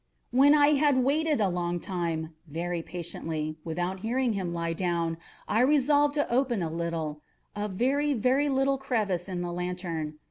When I had waited a long time, very patiently, without hearing him lie down, I resolved to open a little—a very, very little crevice in the lantern.